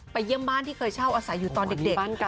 เยี่ยมบ้านที่เคยเช่าอาศัยอยู่ตอนเด็ก